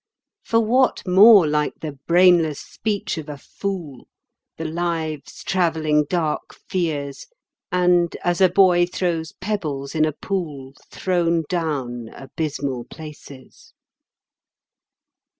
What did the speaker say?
For what more like the brainless speech of a fool, The lives travelling dark fears, And as a boy throws pebbles in a pool Thrown down abysmal places?